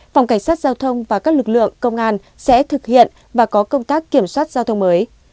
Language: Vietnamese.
phòng cảnh sát giao thông và các lực lượng công an sẽ thực hiện và có công tác kiểm soát giao thông mới